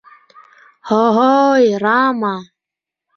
Һо-ой, Рама!